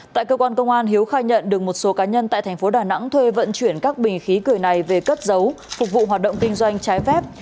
tại cơ quan công an hiếu khai nhận được một số cá nhân tại thành phố đà nẵng thuê vận chuyển các bình khí cười này về cất giấu phục vụ hoạt động kinh doanh trái phép